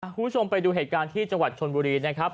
คุณผู้ชมไปดูเหตุการณ์ที่จังหวัดชนบุรีนะครับ